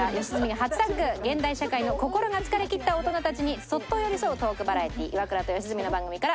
現代社会の心が疲れきった大人たちにそっと寄り添うトークバラエティー『イワクラと吉住の番組』から。